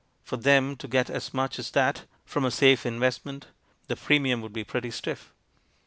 For them to get as much as that, from a safe investment, the pre mium would be pretty stiff.